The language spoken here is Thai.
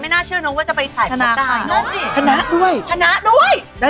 เออที่เท่าไหร่เลย